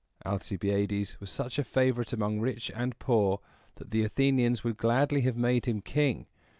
Alcibiades was such a favorite among rich and poor, that the Athenians would gladly have made him king.